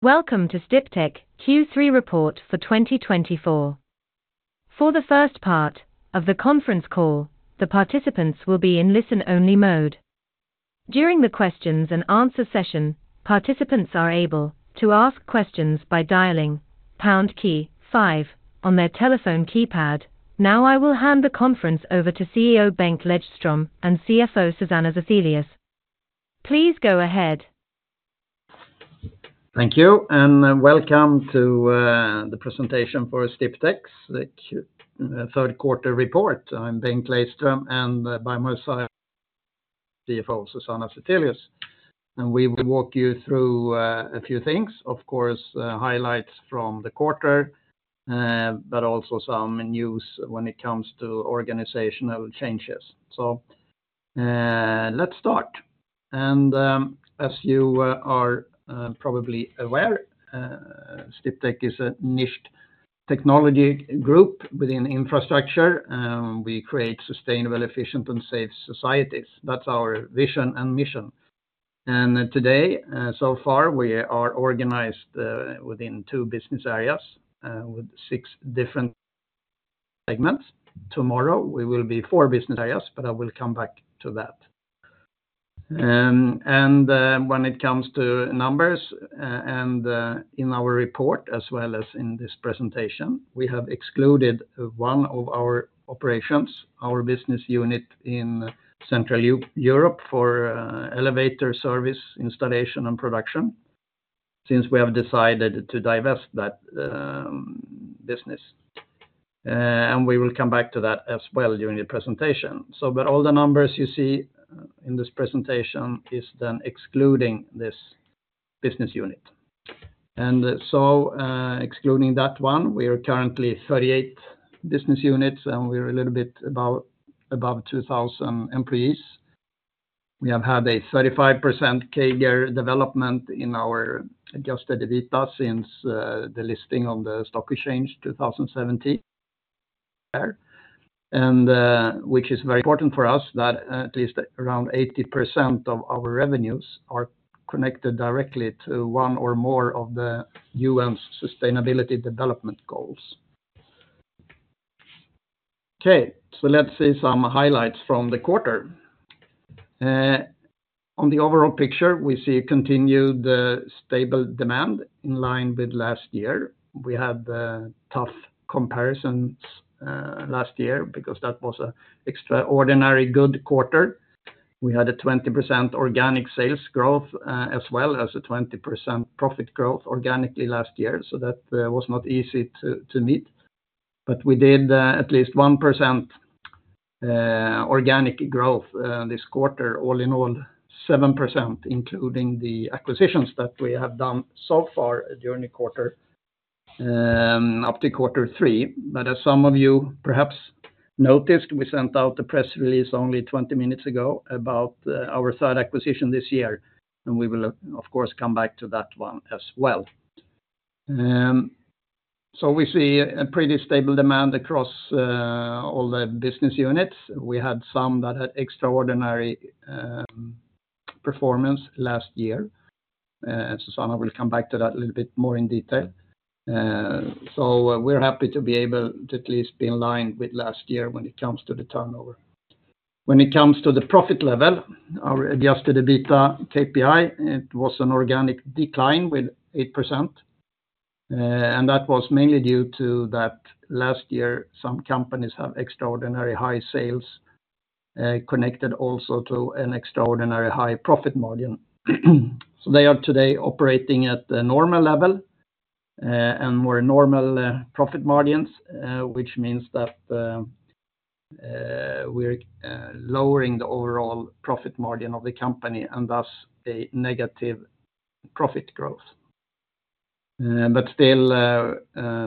Welcome to Sdiptech Q3 report for 2024. For the first part of the conference call, the participants will be in listen-only mode. During the questions and answer session, participants are able to ask questions by dialing pound key five on their telephone keypad. Now, I will hand the conference over to CEO Bengt Lejdström and CFO Susanna Zethelius. Please go ahead. Thank you, and welcome to the presentation for Sdiptech, the Q3 report. I'm Bengt Lejdström, and by my side, CFO Susanna Zethelius. And we will walk you through a few things, of course, highlights from the quarter, but also some news when it comes to organizational changes. So, let's start. And, as you are probably aware, Sdiptech is a niche technology group within infrastructure, and we create sustainable, efficient, and safe societies. That's our vision and mission. And today, so far, we are organized within two business areas, with six different segments. Tomorrow, we will be four business areas, but I will come back to that. When it comes to numbers, and, in our report as well as in this presentation, we have excluded one of our operations, our business unit in Central Europe, for elevator service, installation, and production, since we have decided to divest that business. And we will come back to that as well during the presentation. But all the numbers you see in this presentation is then excluding this business unit. And so, excluding that one, we are currently 38 business units, and we're a little bit above 2,000 employees. We have had a 35% CAGR development in our Adjusted EBITDA since the listing on the stock exchange 2017. Which is very important for us, that at least around 80% of our revenues are connected directly to one or more of the UN Sustainable Development Goals. Okay, so let's see some highlights from the quarter. On the overall picture, we see continued stable demand in line with last year. We had tough comparisons last year because that was an extraordinary good quarter. We had a 20% organic sales growth as well as a 20% profit growth organically last year, so that was not easy to meet. But we did at least 1% organic growth this quarter, all in all, 7%, including the acquisitions that we have done so far during the quarter up to quarter three. But as some of you perhaps noticed, we sent out the press release only twenty minutes ago about our third acquisition this year, and we will, of course, come back to that one as well, so we see a pretty stable demand across all the business units. We had some that had extraordinary performance last year, and Susanna will come back to that a little bit more in detail, so we're happy to be able to at least be in line with last year when it comes to the turnover. When it comes to the profit level, our adjusted EBITDA KPI, it was an organic decline with 8%, and that was mainly due to that last year, some companies have extraordinary high sales, connected also to an extraordinary high profit margin. So they are today operating at the normal level and more normal profit margins, which means that we're lowering the overall profit margin of the company and thus a negative profit growth. But still, a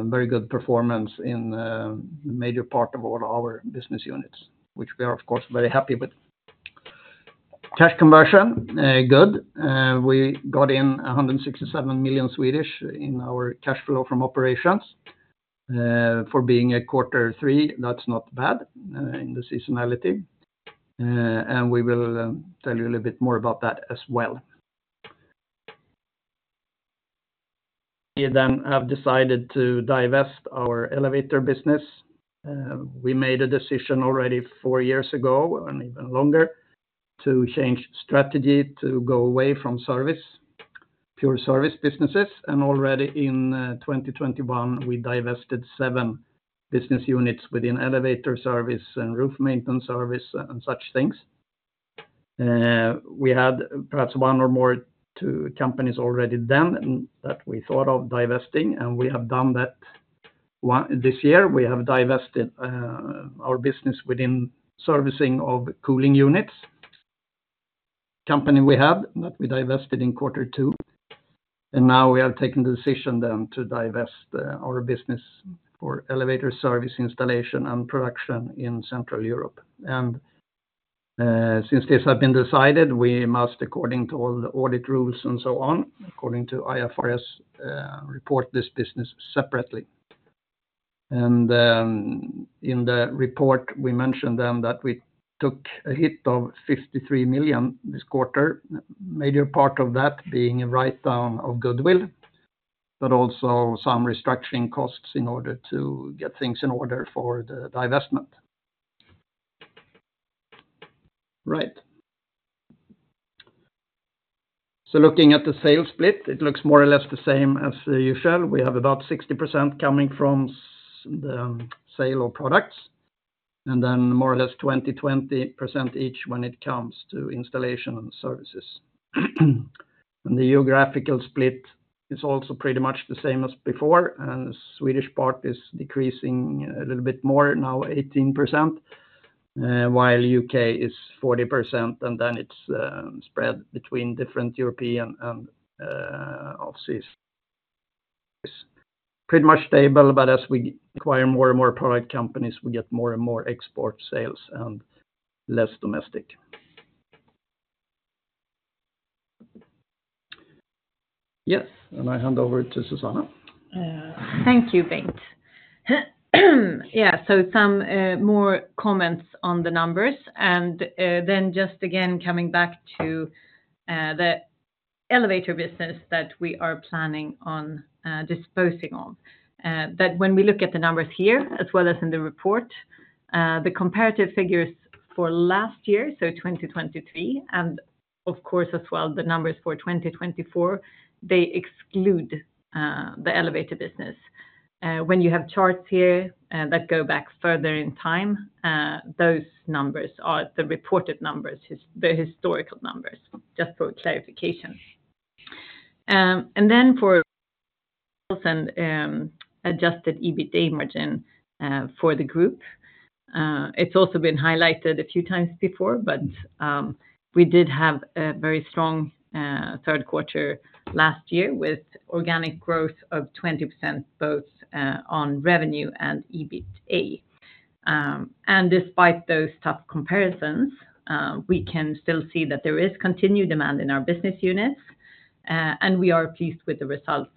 very good performance in the major part of all our business units, which we are, of course, very happy with. Cash conversion good. We got in 167 million SEK in our cash flow from operations. For being a quarter three, that's not bad in the seasonality. And we will tell you a little bit more about that as well. We then have decided to divest our elevator business. We made a decision already four years ago, and even longer, to change strategy to go away from service, pure service businesses, and already in 2021, we divested seven business units within elevator service and roof maintenance service and such things. We had perhaps one or more, two companies already then that we thought of divesting, and we have done that one this year. We have divested our business within servicing of cooling units. Company we have, that we divested in quarter two, and now we have taken the decision then to divest our business for elevator service installation and production in Central Europe, and since this have been decided, we must, according to all the audit rules and so on, according to IFRS, report this business separately. In the report, we mentioned then that we took a hit of 53 million SEK this quarter, major part of that being a write-down of goodwill, but also some restructuring costs in order to get things in order for the divestment. Right. Looking at the sales split, it looks more or less the same as usual. We have about 60% coming from the sale of products, and then more or less 20, 20% each when it comes to installation and services. The geographical split is also pretty much the same as before, and the Swedish part is decreasing a little bit more, now 18%, while U.K. is 40%, and then it's spread between different European and overseas. It's pretty much stable, but as we acquire more and more product companies, we get more and more export sales and less domestic. Yes, and I hand over to Susanna. Thank you, Bengt. Yeah, so some more comments on the numbers, and then just again, coming back to the elevator business that we are planning on disposing of, but when we look at the numbers here, as well as in the report, the comparative figures for last year, so 2023, and of course, as well, the numbers for 2024, they exclude the elevator business. When you have charts here that go back further in time, those numbers are the reported numbers, the historical numbers, just for clarification, and then for adjusted EBITA margin for the group, it's also been highlighted a few times before, but we did have a very strong third quarter last year with organic growth of 20%, both on revenue and EBITA. And despite those tough comparisons, we can still see that there is continued demand in our business units, and we are pleased with the results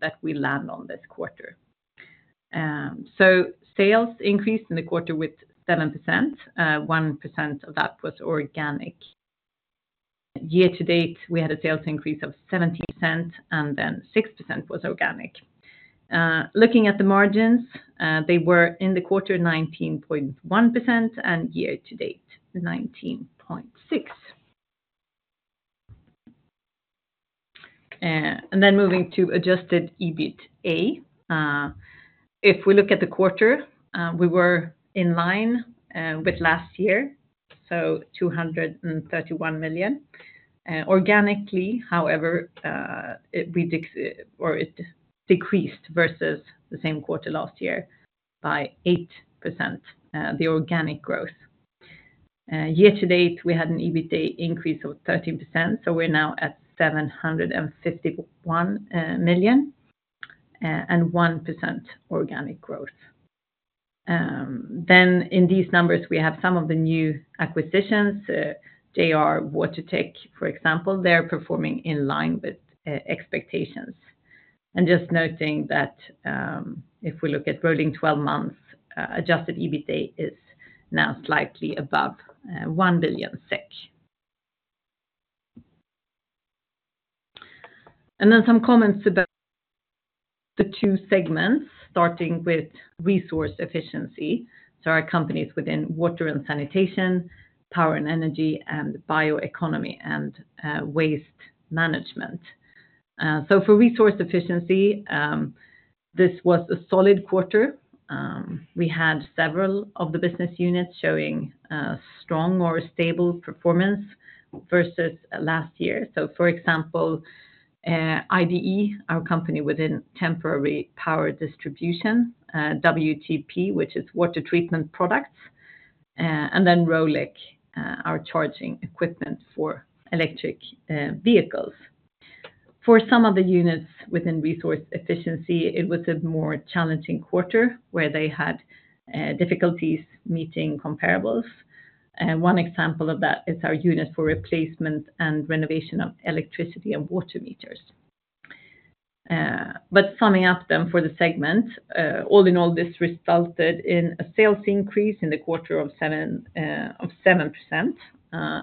that we land on this quarter. So sales increased in the quarter with 7%, 1% of that was organic. Year to date, we had a sales increase of 17%, and then 6% was organic. Looking at the margins, they were in the quarter, 19.1%, and year to date, 19.6%. And then moving to adjusted EBITA. If we look at the quarter, we were in line with last year, so 231 million. Organically, however, it decreased versus the same quarter last year by 8%, the organic growth. Year to date, we had an EBITA increase of 13%, so we're now at 751 million SEK and 1% organic growth. Then in these numbers, we have some of the new acquisitions. They are Water Tech, for example. They're performing in line with expectations. And just noting that, if we look at rolling twelve months, adjusted EBITA is now slightly above 1 billion SEK. And then some comments about the two segments, starting with Resource Efficiency, so our companies within water and sanitation, power and energy, and bioeconomy, and waste management. So for resource efficiency, this was a solid quarter. We had several of the business units showing strong or stable performance versus last year. So for example, IDE, our company within temporary power distribution, WTP, which is water treatment products, and then Rolec, our charging equipment for electric vehicles. For some of the units within resource efficiency, it was a more challenging quarter, where they had difficulties meeting comparables. One example of that is our unit for replacement and renovation of electricity and water meters. But summing up then for the segment, all in all, this resulted in a sales increase in the quarter of 7%,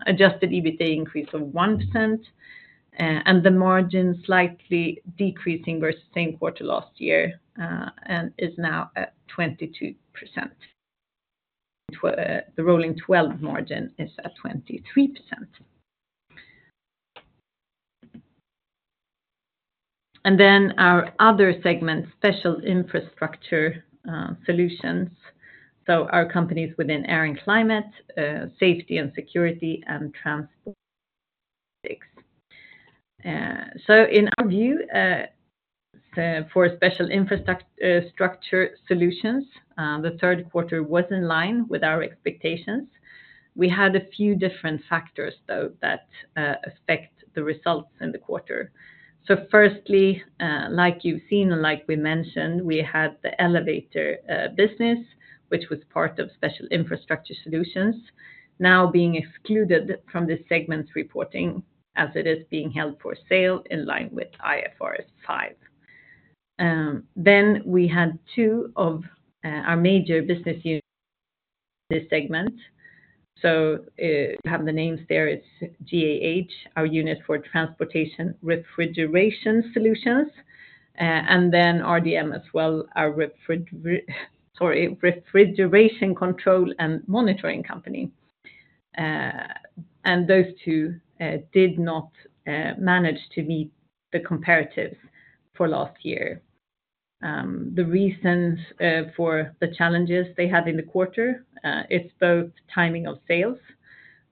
Adjusted EBITA increase of 1%, and the margin slightly decreasing versus same quarter last year, and is now at 22%. The rolling twelve margin is at 23%. And then our other segment, Special Infrastructure Solutions, so our companies within air and climate, Safety and Security, and transport. So in our view, for special infrastructure solutions, the third quarter was in line with our expectations. We had a few different factors, though, that affect the results in the quarter. So firstly, like you've seen and like we mentioned, we had the elevator business, which was part of special infrastructure solutions, now being excluded from the segment reporting as it is being held for sale in line with IFRS 5. Then we had two of our major business units in this segment. So, have the names there, it's GAH, our unit for transportation refrigeration solutions, and then RDM as well, our refrigeration control and monitoring company. And those two did not manage to meet the comparatives for last year. The reasons for the challenges they had in the quarter, it's both timing of sales.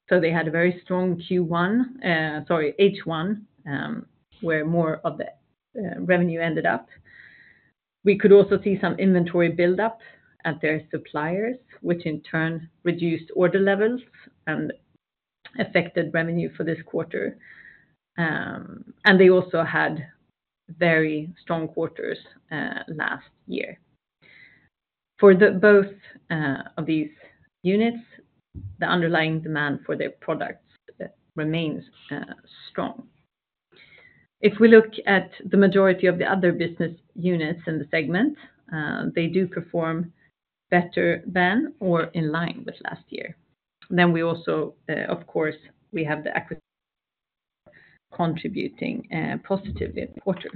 So they had a very strong Q1, sorry, H1, where more of the revenue ended up. We could also see some inventory build up at their suppliers, which in turn reduced order levels and affected revenue for this quarter, and they also had very strong quarters last year. For the both of these units, the underlying demand for their products remains strong. If we look at the majority of the other business units in the segment, they do perform better than or in line with last year. Then we also, of course, we have the acquisition contributing positively in quarter,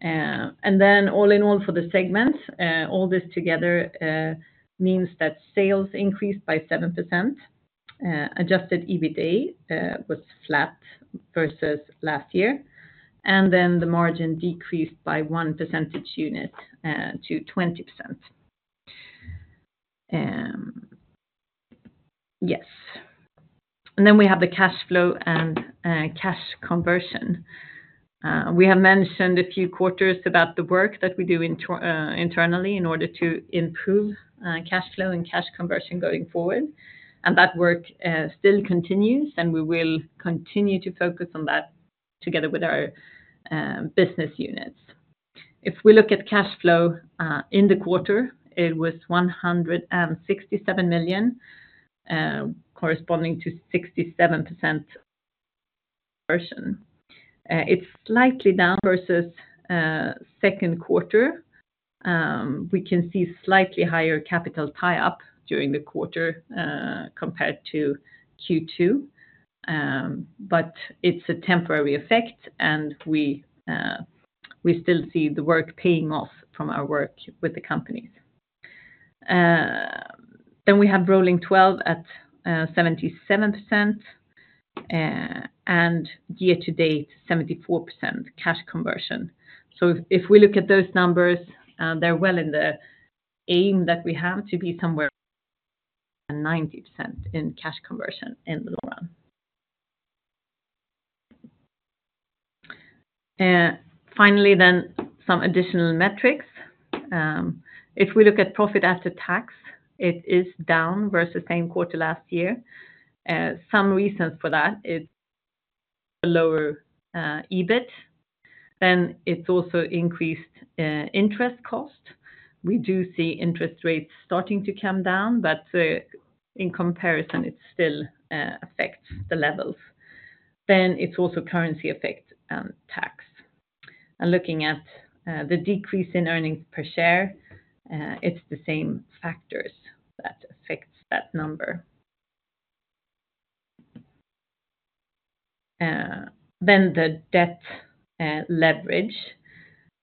and then all in all, for the segment, all this together means that sales increased by 7%. Adjusted EBITA was flat versus last year, and then the margin decreased by one percentage unit to 20%. Yes. And then we have the cash flow and cash conversion. We have mentioned a few quarters about the work that we do internally in order to improve cash flow and cash conversion going forward. And that work still continues, and we will continue to focus on that together with our business units. If we look at cash flow in the quarter, it was 167 million corresponding to 67% conversion. It's slightly down versus second quarter. We can see slightly higher capital tie up during the quarter compared to Q2. But it's a temporary effect, and we still see the work paying off from our work with the companies. Then we have rolling twelve at 77%, and year to date, 74% cash conversion. So if we look at those numbers, they're well in the aim that we have to be somewhere 90% in cash conversion in the long run. Finally, then, some additional metrics. If we look at profit after tax, it is down versus same quarter last year. Some reasons for that is the lower EBIT, then it's also increased interest cost. We do see interest rates starting to come down, but in comparison, it still affects the levels. Then it's also currency effect and tax. And looking at the decrease in earnings per share, it's the same factors that affects that number. Then the debt leverage.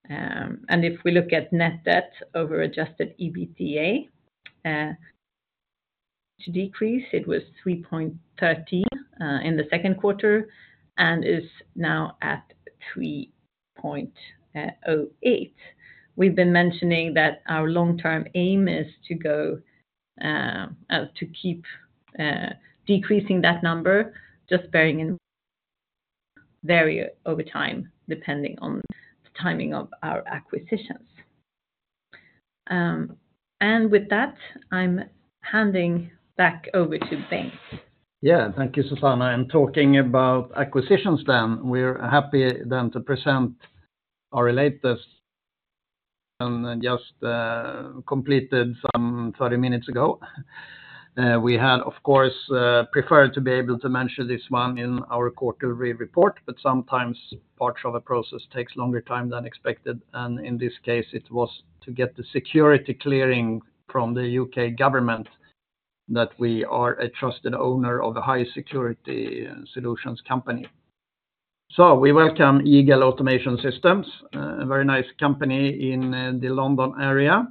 And if we look at net debt over adjusted EBITDA, the decrease, it was three point thirteen in the second quarter and is now at three point oh eight. We've been mentioning that our long-term aim is to go to keep decreasing that number, just varying over time, depending on the timing of our acquisitions. And with that, I'm handing back over to Bengt. Yeah. Thank you, Susanna. I'm talking about acquisitions then. We're happy then to present our latest, just, completed some thirty minutes ago. We had, of course, preferred to be able to mention this one in our quarterly report, but sometimes parts of a process takes longer time than expected, and in this case, it was to get the security clearance from the U.K. government that we are a trusted owner of a high security solutions company. So we welcome Eagle Automation Systems, a very nice company in the London area,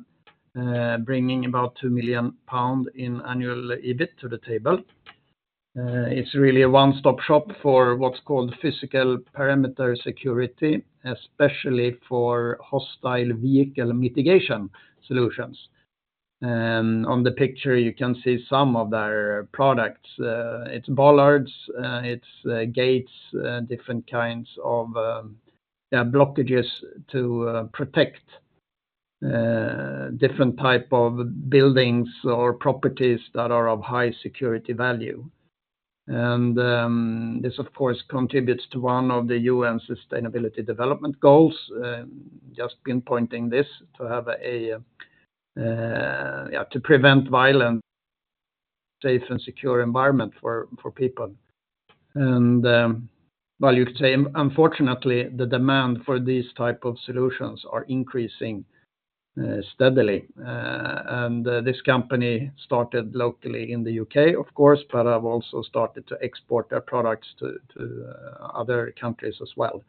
bringing about 2 million pounds in annual EBIT to the table. It's really a one-stop shop for what's called physical perimeter security, especially for hostile vehicle mitigation solutions. On the picture, you can see some of their products. It's bollards, it's gates, different kinds of blockages to protect different type of buildings or properties that are of high security value. This, of course, contributes to one of the UN Sustainable Development Goals, just pinpointing this to have a safe and secure environment for people. Well, you could say, unfortunately, the demand for these type of solutions are increasing steadily. This company started locally in the U.K., of course, but have also started to export their products to other countries as well.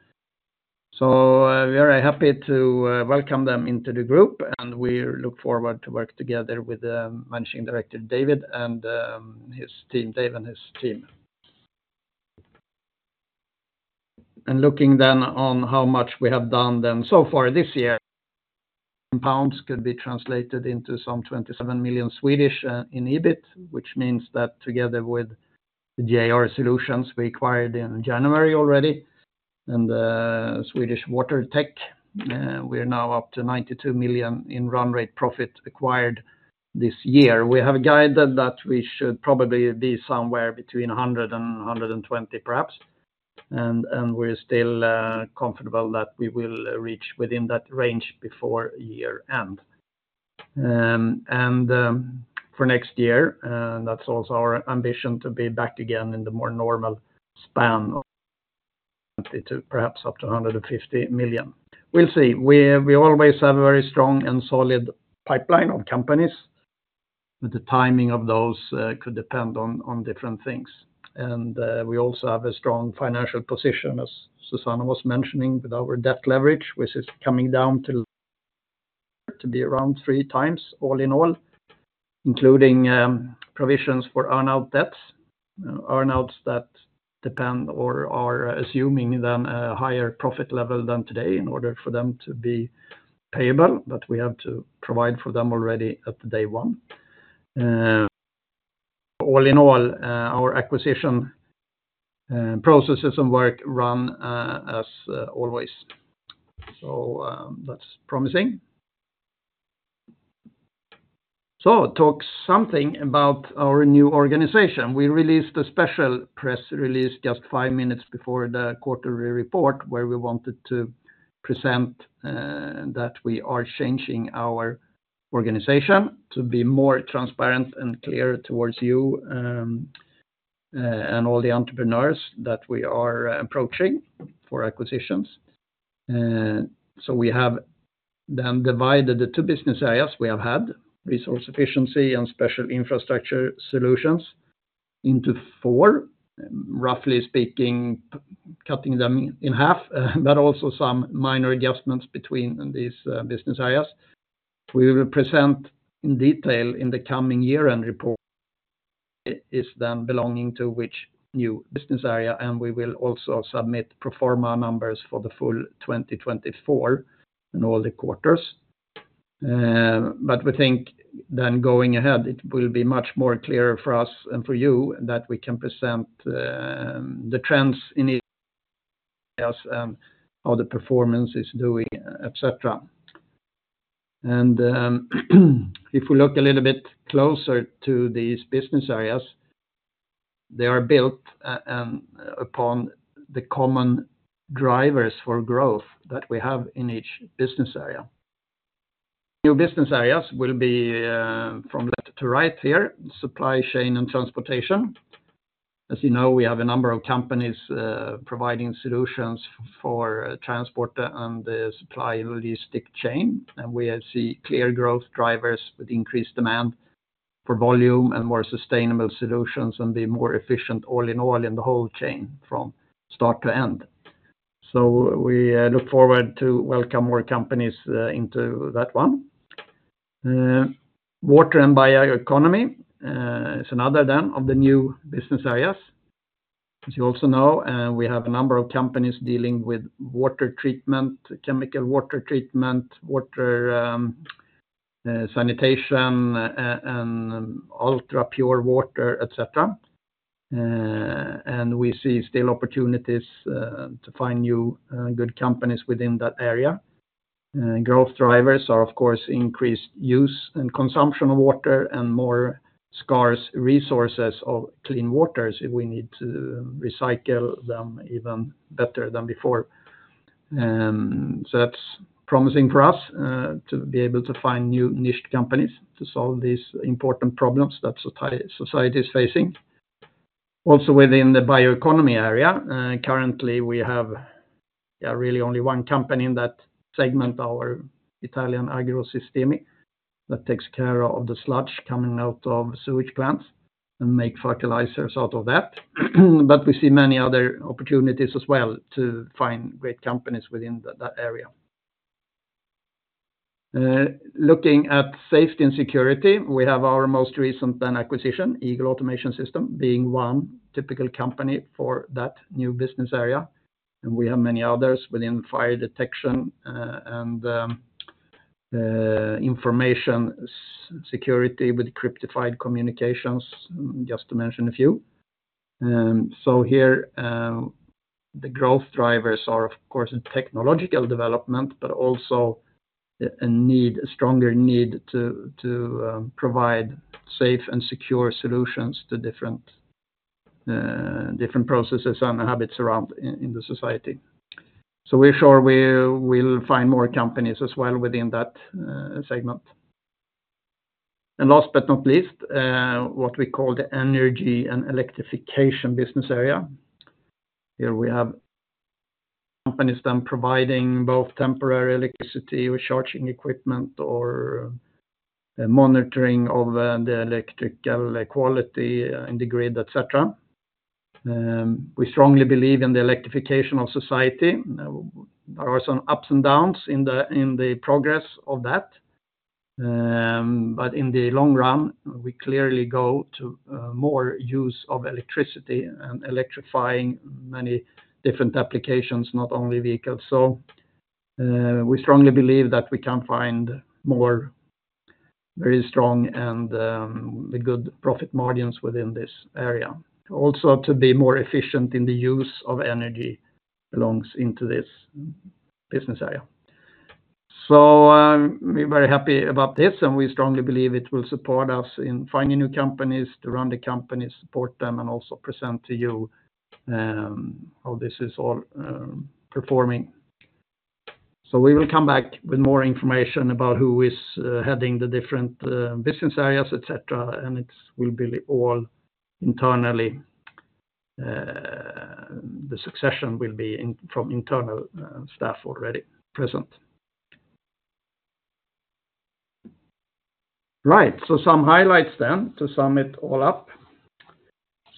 So we are happy to welcome them into the group, and we look forward to work together with the managing director, David, and his team, Dave and his team. Looking then on how much we have done then so far this year, pounds could be translated into some 27 million SEK in EBIT, which means that together with the JR Solutions we acquired in January already, and Swedish WaterTech, we are now up to 92 million in run rate profit acquired this year. We have guided that we should probably be somewhere between 100 and 120, perhaps, and we're still comfortable that we will reach within that range before year-end. For next year, that's also our ambition to be back again in the more normal span of perhaps up to 150 million. We'll see. We always have a very strong and solid pipeline of companies, but the timing of those could depend on different things. We also have a strong financial position, as Susanna was mentioning, with our debt leverage, which is coming down to be around three times all in all, including provisions for earnout debts. Earnouts that depend or are assuming then a higher profit level than today in order for them to be payable, but we have to provide for them already at the day one. All in all, our acquisition processes and work run as always. That's promising. Talk something about our new organization. We released a special press release just five minutes before the quarterly report, where we wanted to present that we are changing our organization to be more transparent and clear towards you and all the entrepreneurs that we are approaching for acquisitions. So we have then divided the two business areas we have had, resource efficiency and special infrastructure solutions, into four, roughly speaking, cutting them in half, but also some minor adjustments between these, business areas. We will present in detail in the coming year-end report is them belonging to which new business area, and we will also submit pro forma numbers for the full 2024 in all the quarters. We think then going ahead, it will be much more clearer for us and for you that we can present, the trends in each, how the performance is doing, et cetera. If we look a little bit closer to these business areas, they are built, upon the common drivers for growth that we have in each business area. New business areas will be, from left to right here, Supply Chain and Transportation. As you know, we have a number of companies providing solutions for transport and the supply logistic chain, and we see clear growth drivers with increased demand for volume and more sustainable solutions and be more efficient all in all in the whole chain from start to end, so we look forward to welcome more companies into that one. Water and Bioeconomy is another then of the new business areas. As you also know, we have a number of companies dealing with water treatment, chemical water treatment, water sanitation, and ultra-pure water, et cetera, and we see still opportunities to find new good companies within that area. Growth drivers are of course increased use and consumption of water and more scarce resources of clean waters. We need to recycle them even better than before. That's promising for us to be able to find new niche companies to solve these important problems that society is facing. Also within the bioeconomy area, currently we have really only one company in that segment, our Italian Agrosistemi, that takes care of the sludge coming out of sewage plants and make fertilizers out of that. But we see many other opportunities as well to find great companies within that area. Looking at safety and security, we have our most recent acquisition, Eagle Automation Systems, being one typical company for that new business area, and we have many others within fire detection, and information security with encrypted communications, just to mention a few. So here, the growth drivers are of course in technological development, but also a stronger need to provide safe and secure solutions to different processes and habits around in the society. We're sure we'll find more companies as well within that segment. Last but not least, what we call the Energy and Electrification business area. Here we have companies providing both temporary electricity with charging equipment or monitoring of the electrical quality in the grid, et cetera. We strongly believe in the electrification of society. There are some ups and downs in the progress of that, but in the long run, we clearly go to more use of electricity and electrifying many different applications, not only vehicles. So, we strongly believe that we can find more very strong and the good profit margins within this area. Also, to be more efficient in the use of energy belongs into this business area. So, we're very happy about this, and we strongly believe it will support us in finding new companies, to run the companies, support them, and also present to you how this is all performing. So we will come back with more information about who is heading the different business areas, et cetera, and it will be all internally, the succession will be in from internal staff already present. Right, so some highlights then, to sum it all up.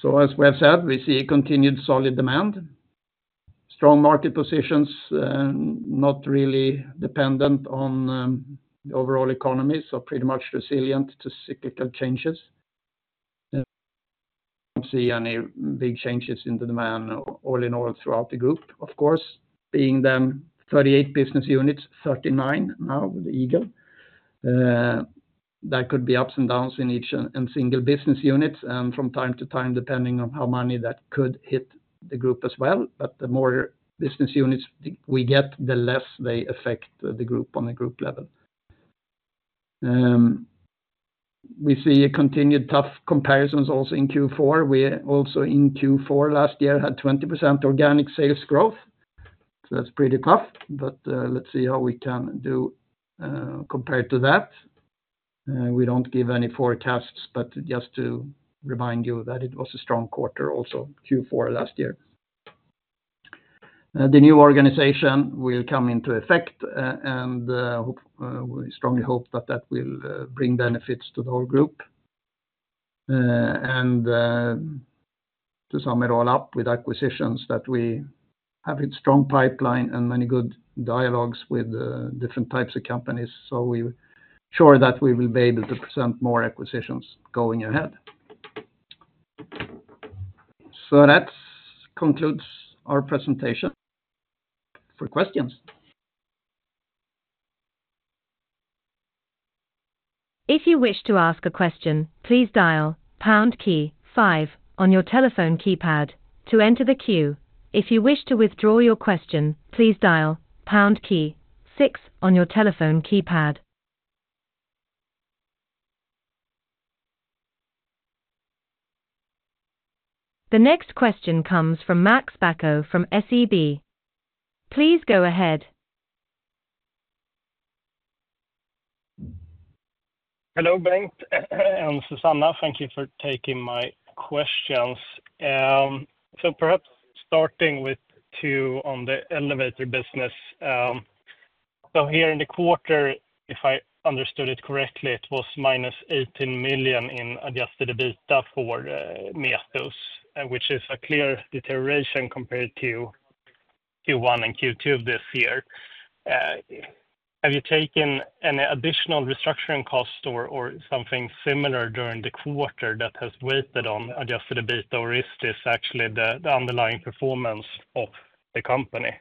So as we have said, we see a continued solid demand, strong market positions, not really dependent on, the overall economy, so pretty much resilient to cyclical changes. Don't see any big changes in the demand all in all throughout the group. Of course, being them 38 business units, 39 now with Eagle, that could be ups and downs in each and single business units, from time to time, depending on how many that could hit the group as well. But the more business units we get, the less they affect the group on a group level. We see a continued tough comparisons also in Q4. We also in Q4 last year, had 20% organic sales growth, so that's pretty tough. But, let's see how we can do, compared to that. We don't give any forecasts, but just to remind you that it was a strong quarter, also Q4 last year. The new organization will come into effect, and we strongly hope that that will bring benefits to the whole group. To sum it all up with acquisitions that we have a strong pipeline and many good dialogues with different types of companies, so we're sure that we will be able to present more acquisitions going ahead, so that concludes our presentation for questions. If you wish to ask a question, please dial pound key five on your telephone keypad to enter the queue. If you wish to withdraw your question, please dial pound key six on your telephone keypad. The next question comes from Max Bäck from SEB. Please go ahead. Hello, Bengt and Susanna, thank you for taking my questions. So perhaps starting with two on the elevator business. So here in the quarter, if I understood it correctly, it was minus 18 million SEK in adjusted EBITDA for Metus, which is a clear deterioration compared to Q1 and Q2 of this year. Have you taken any additional restructuring costs or, or something similar during the quarter that has weighed on adjusted EBITDA, or is this actually the underlying performance of the company?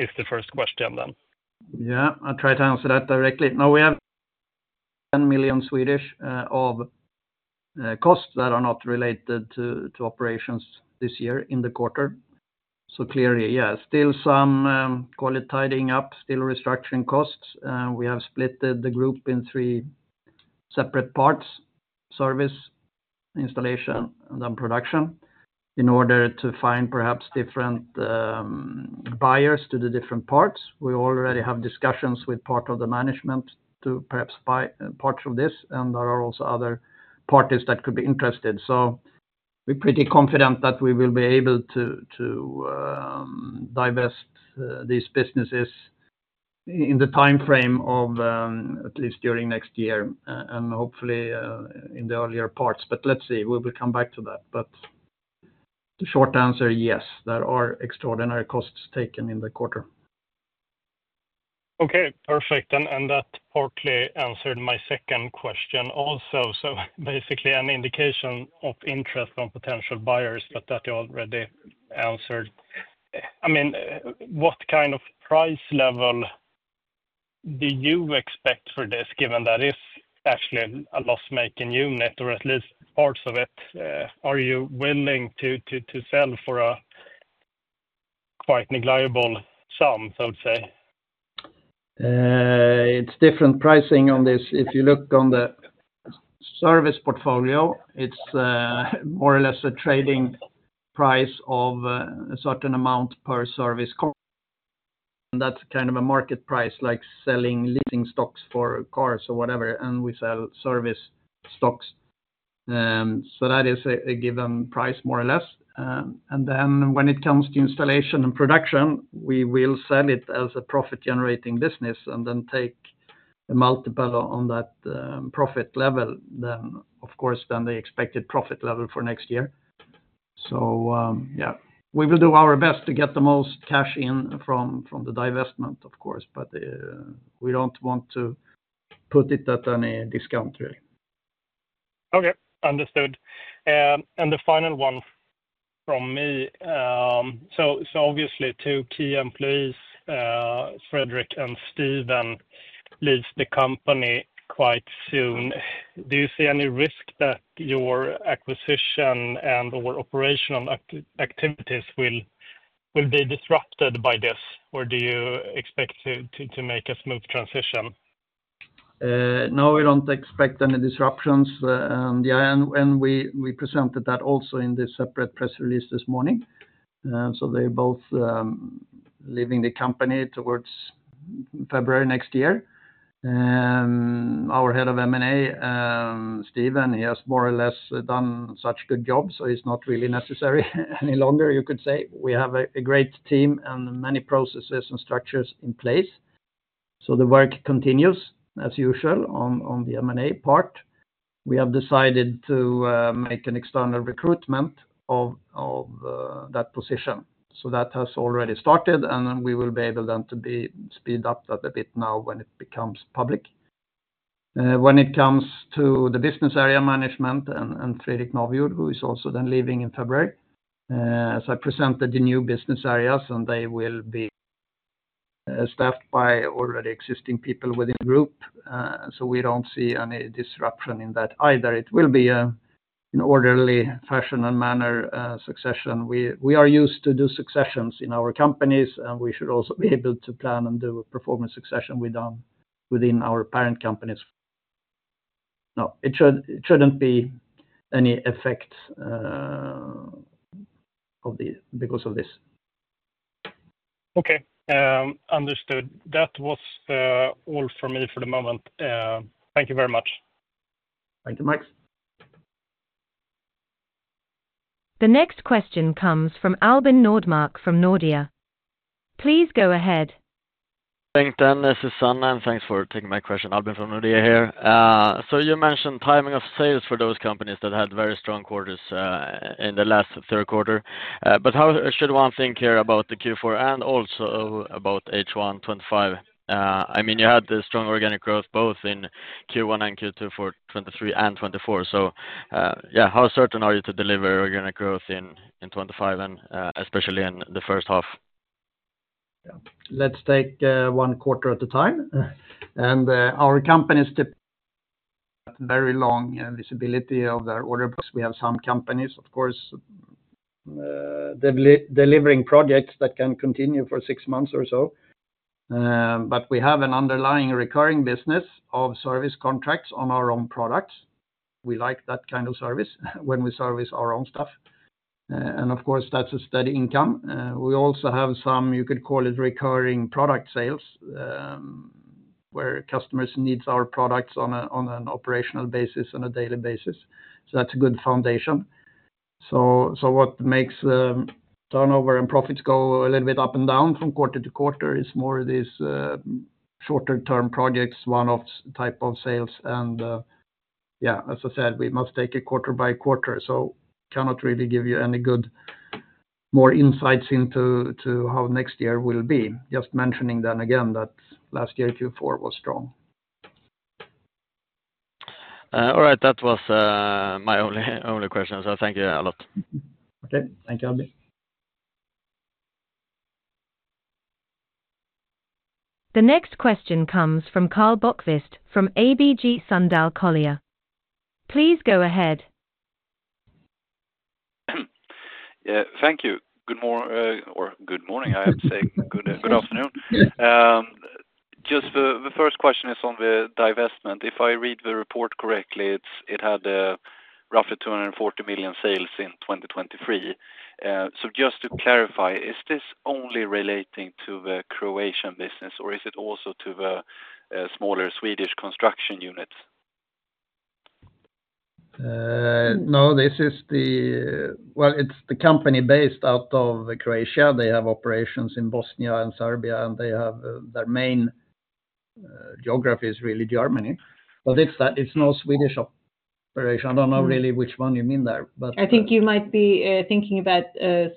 It's the first question then. Yeah, I'll try to answer that directly. No, we have 10 million of costs that are not related to operations this year in the quarter. So clearly, yeah, still some call it tidying up, still restructuring costs. We have split the group in three separate parts: service, installation, and then production, in order to find perhaps different buyers to the different parts. We already have discussions with part of the management to perhaps buy parts of this, and there are also other parties that could be interested. So we're pretty confident that we will be able to divest these businesses in the timeframe of at least during next year, and hopefully in the earlier parts. But let's see. We will come back to that. But the short answer, yes, there are extraordinary costs taken in the quarter. Okay, perfect. And that partly answered my second question also. So basically an indication of interest from potential buyers, but that you already answered. I mean, what kind of price level do you expect for this, given that it's actually a loss-making unit, or at least parts of it? Are you willing to sell for quite negligible sums, I would say? It's different pricing on this. If you look on the service portfolio, it's more or less a trading price of a certain amount per service call. And that's kind of a market price, like selling leasing stocks for cars or whatever, and we sell service stocks. So that is a given price, more or less. And then when it comes to installation and production, we will sell it as a profit-generating business and then take a multiple on that profit level, then of course than the expected profit level for next year. So yeah, we will do our best to get the most cash in from the divestment, of course, but we don't want to put it at any discount, really. Okay, understood, and the final one from me, so obviously, two key employees, Fredrik and Steven, leaves the company quite soon. Do you see any risk that your acquisition and or operational activities will be disrupted by this, or do you expect to make a smooth transition? No, we don't expect any disruptions, and yeah, we presented that also in the separate press release this morning, so they're both leaving the company towards February next year. Our head of M&A, Steven, he has more or less done such good job, so he's not really necessary any longer, you could say. We have a great team and many processes and structures in place, so the work continues as usual on the M&A part. We have decided to make an external recruitment of that position, so that has already started, and then we will be able then to speed up that a bit now when it becomes public. When it comes to the business area management and Fredrik Navjord, who is also then leaving in February, as I presented the new business areas, and they will be staffed by already existing people within group. So we don't see any disruption in that either. It will be an orderly fashion and manner succession. We are used to do successions in our companies, and we should also be able to plan and do a performance succession within our parent companies. No, it shouldn't be any effect because of this. Okay, understood. That was all for me for the moment. Thank you very much. Thank you, Max. The next question comes from Albin Nordmark, from Nordea. Please go ahead. Thanks, then. This is Albin, and thanks for taking my question. Albin from Nordea here, so you mentioned timing of sales for those companies that had very strong quarters in the last third quarter, but how should one think here about the Q4 and also about H1 2025? I mean, you had the strong organic growth both in Q1 and Q2 for 2023 and 2024, so yeah, how certain are you to deliver organic growth in 2025 and especially in the first half? Yeah. Let's take one quarter at a time. And our companies have very long visibility of their order book. We have some companies, of course, delivering projects that can continue for six months or so. But we have an underlying recurring business of service contracts on our own products. We like that kind of service when we service our own stuff. And of course, that's a steady income. We also have some, you could call it, recurring product sales, where customers need our products on a, on an operational basis, on a daily basis. So that's a good foundation. So what makes turnover and profits go a little bit up and down from quarter to quarter is more of these shorter-term projects, one-off type of sales. Yeah, as I said, we must take it quarter by quarter, so cannot really give you any good more insights into how next year will be. Just mentioning then again, that last year, Q4 was strong. All right. That was my only question. So thank you a lot. Okay. Thank you, Albin. The next question comes from Karl Bokvist from ABG Sundal Collier. Please go ahead. Yeah, thank you. Good morning, I have to say, good afternoon. Yeah. Just the first question is on the divestment. If I read the report correctly, it had roughly 240 million sales in 2023. So just to clarify, is this only relating to the Croatian business, or is it also to the smaller Swedish construction unit? No, well, it's the company based out of the Croatia. They have operations in Bosnia and Serbia, and they have their main geography is really Germany. But it's no Swedish operation. I don't know really which one you mean there, but- I think you might be thinking about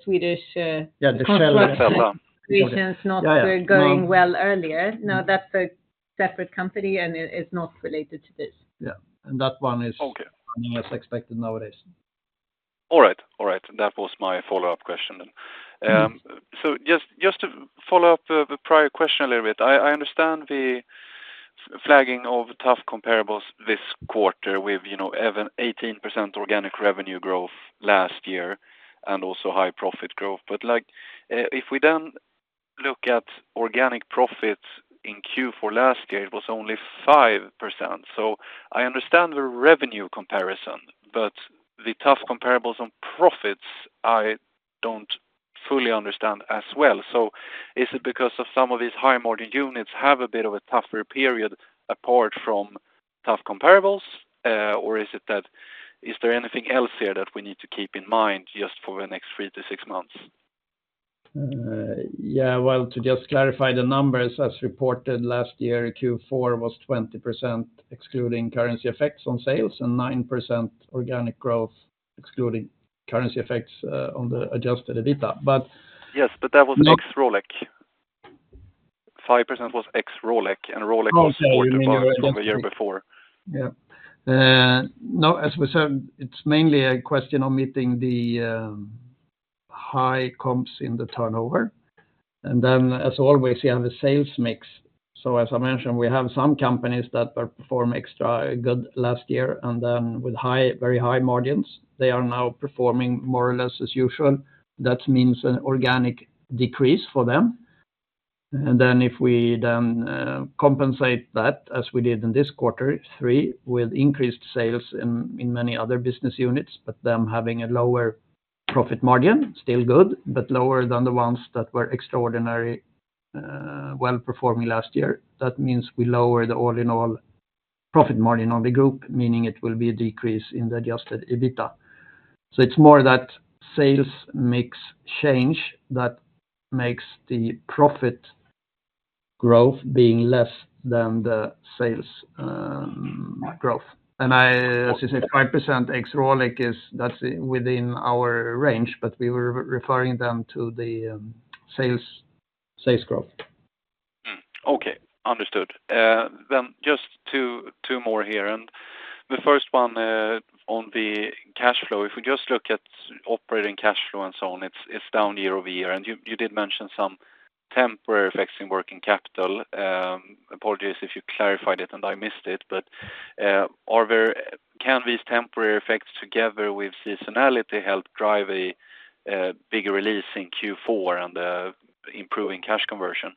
Swedish. Yeah, the seller.... operations not - Yeah, yeah. Going well earlier. No, that's a separate company, and it is not related to this. Yeah, and that one is- Okay - less expected nowadays. All right. All right, that was my follow-up question then. So just to follow up the prior question a little bit, I understand the flagging of tough comparables this quarter with, you know, even 18% organic revenue growth last year and also high profit growth. But like, if we then look at organic profits in Q4 last year, it was only 5%. So I understand the revenue comparison, but the tough comparables on profits, I don't fully understand as well. So is it because of some of these high margin units have a bit of a tougher period apart from tough comparables? Or is it that, is there anything else here that we need to keep in mind just for the next three to six months? Yeah, well, to just clarify the numbers, as reported last year, Q4 was 20%, excluding currency effects on sales, and 9% organic growth, excluding currency effects, on the adjusted EBITA. But- Yes, but that was ex Rolec. 5% was ex Rolec, and Rolec was 40% from the year before. Yeah. No, as we said, it's mainly a question of meeting the high comps in the turnover. And then as always, you have a sales mix. So as I mentioned, we have some companies that are perform extra good last year, and then with high, very high margins, they are now performing more or less as usual. That means an organic decrease for them. And then if we then compensate that, as we did in this quarter three, with increased sales in many other business units, but them having a lower profit margin, still good, but lower than the ones that were extraordinary well-performing last year. That means we lower the all-in-all profit margin on the group, meaning it will be a decrease in the adjusted EBITDA. So it's more that sales mix change that makes the profit growth being less than the sales growth. And I, as you said, 5% ex-Rolec is, that's within our range, but we were referring them to the sales growth. Hmm. Okay, understood. Then just two more here. And the first one on the cash flow. If we just look at operating cash flow and so on, it's down year over year. And you did mention some temporary effects in working capital. Apologies if you clarified it and I missed it, but can these temporary effects, together with seasonality, help drive a bigger release in Q4 on the improving cash conversion?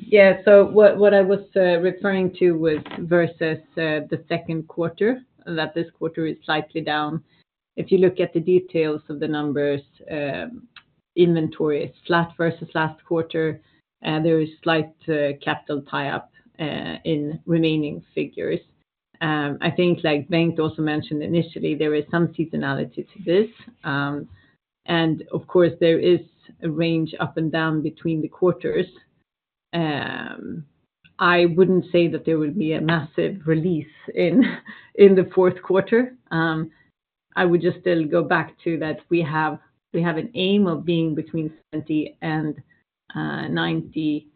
Yeah. So what I was referring to was versus the second quarter, that this quarter is slightly down. If you look at the details of the numbers, inventory is flat versus last quarter, there is slight capital tie-up in remaining figures. I think, like Bengt also mentioned initially, there is some seasonality to this. And of course, there is a range up and down between the quarters. I wouldn't say that there will be a massive release in the fourth quarter. I would just still go back to that we have an aim of being between 70% and 90%,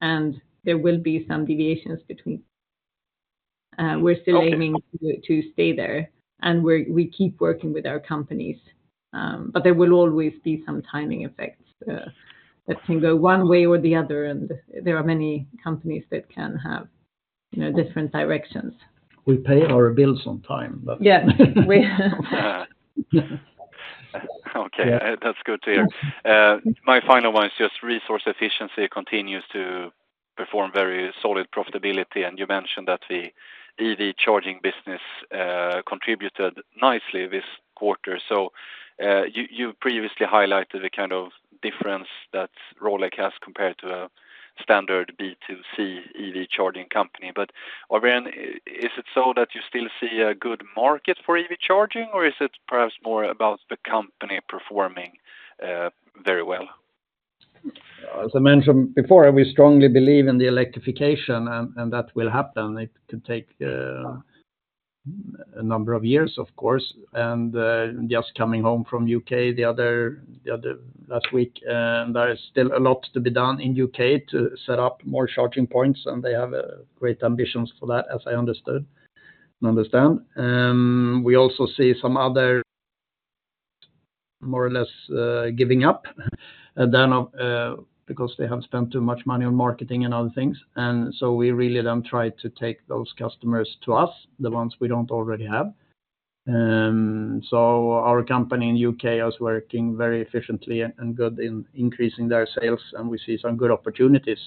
and there will be some deviations between. We're still aiming to stay there, and we keep working with our companies, but there will always be some timing effects that can go one way or the other, and there are many companies that can have, you know, different directions. We pay our bills on time. Yeah. Okay, that's good to hear. My final one is just resource efficiency continues to perform very solid profitability, and you mentioned that the EV charging business contributed nicely this quarter. You previously highlighted the kind of difference that Rolec has compared to a standard B2C EV charging company. But again, is it so that you still see a good market for EV charging, or is it perhaps more about the company performing very well? As I mentioned before, we strongly believe in the electrification, and that will happen. It could take a number of years, of course, and just coming home from U.K. last week, there is still a lot to be done in U.K. to set up more charging points, and they have great ambitions for that, as I understand. We also see some other more or less giving up then because they have spent too much money on marketing and other things, and so we really then try to take those customers to us, the ones we don't already have, so our company in U.K. is working very efficiently and good in increasing their sales, and we see some good opportunities.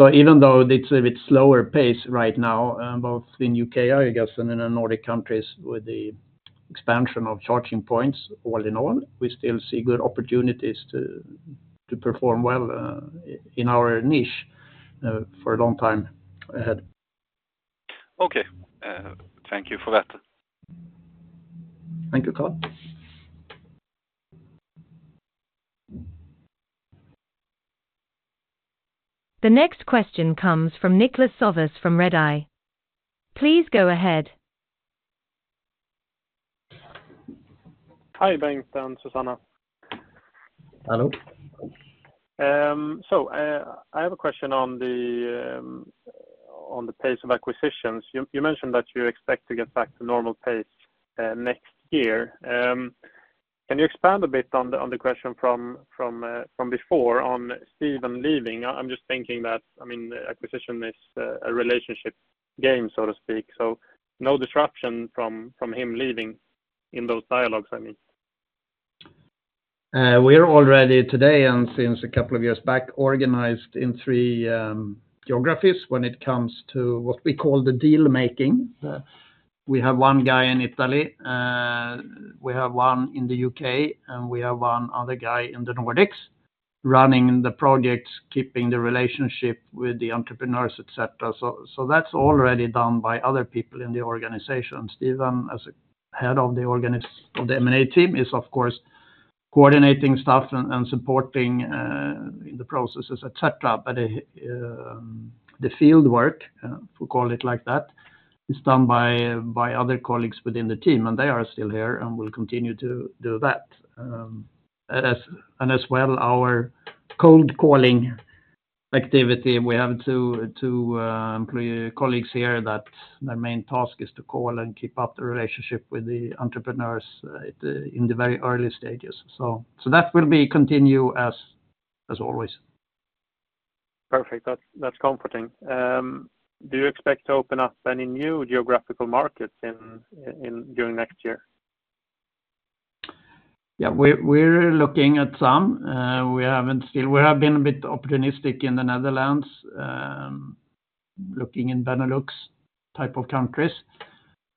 Even though it's a bit slower pace right now, both in U.K., I guess, and in the Nordic countries, with the expansion of charging points, all in all, we still see good opportunities to perform well in our niche for a long time ahead. Okay. Thank you for that. Thank you, Karl. The next question comes from Niklas Sävås from Redeye. Please go ahead. Hi, Bengt Lejdström and Susanna Zethelius. Hello. So, I have a question on the pace of acquisitions. You mentioned that you expect to get back to normal pace next year. Can you expand a bit on the question from before on Steven leaving? I'm just thinking that, I mean, acquisition is a relationship game, so to speak, so no disruption from him leaving in those dialogues, I mean. We're already today, and since a couple of years back, organized in three geographies when it comes to what we call the deal making. We have one guy in Italy, we have one in the UK, and we have one other guy in the Nordics running the projects, keeping the relationship with the entrepreneurs, et cetera. So that's already done by other people in the organization. Steven, as a head of the M&A team, is of course coordinating stuff and supporting the processes, et cetera. But the field work, we call it like that, is done by other colleagues within the team, and they are still here and will continue to do that. And as well, our cold calling activity, we have three colleagues here that their main task is to call and keep up the relationship with the entrepreneurs in the very early stages. So, that will be continue as always. Perfect. That's comforting. Do you expect to open up any new geographical markets during next year? Yeah, we're looking at some. We have been a bit opportunistic in the Netherlands, looking in Benelux type of countries.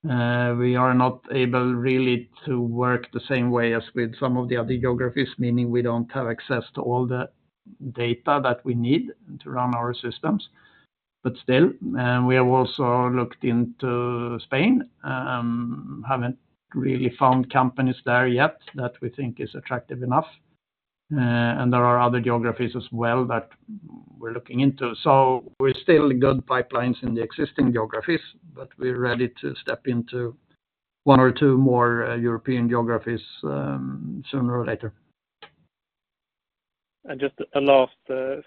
We are not able really to work the same way as with some of the other geographies, meaning we don't have access to all the data that we need to run our systems. But still, we have also looked into Spain, haven't really found companies there yet that we think is attractive enough. And there are other geographies as well that we're looking into. So we still got pipelines in the existing geographies, but we're ready to step into one or two more European geographies, sooner or later. Just a last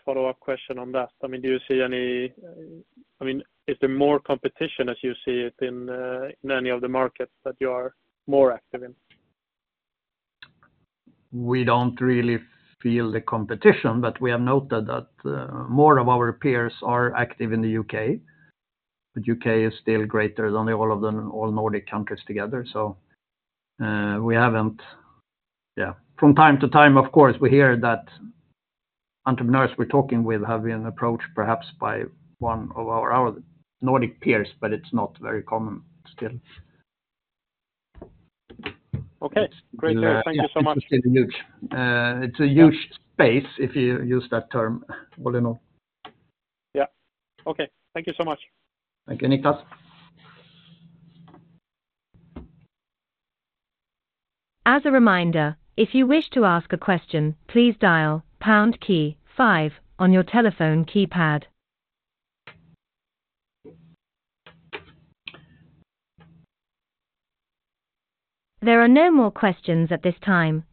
follow-up question on that. I mean, do you see any... I mean, is there more competition as you see it in any of the markets that you are more active in? We don't really feel the competition, but we have noted that more of our peers are active in the U.K., but U.K. is still greater than all of the Nordic countries together. So, from time to time, of course, we hear that entrepreneurs we're talking with have been approached perhaps by one of our Nordic peers, but it's not very common still. Okay, great. Thank you so much. It's still huge. It's a huge space, if you use that term, well, you know. Yeah. Okay. Thank you so much. Thank you, Niklas. As a reminder, if you wish to ask a question, please dial pound key five on your telephone keypad. There are no more questions at this time,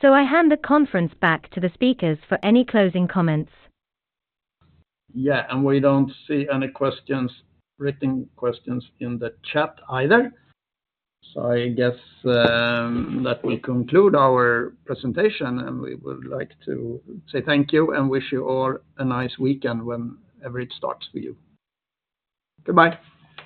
so I hand the conference back to the speakers for any closing comments. Yeah, and we don't see any questions, written questions in the chat either. So I guess that will conclude our presentation, and we would like to say thank you and wish you all a nice weekend whenever it starts for you. Goodbye.